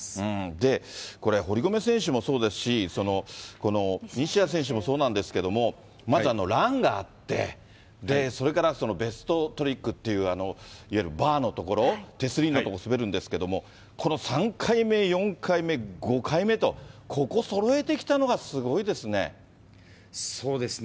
で、これ、堀米選手もそうですし、西矢選手もそうなんですけれども、まず、ランがあって、それからベストトリックっていう、いわゆるバーの所、手すりの所を滑るんですけれども、この３回目、４回目、５回目と、ここそろえてきたのがすごいですね。